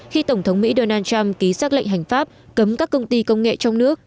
khi tổng thống mỹ donald trump ký xác lệnh hành pháp cấm các công ty công nghệ trong nước